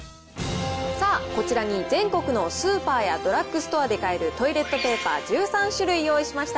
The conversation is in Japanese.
さあ、こちらに全国のスーパーやドラッグストアで買えるトイレットペーパー１３種類用意しました。